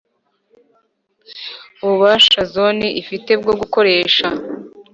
ububasha Zone ifite bwo gukoresha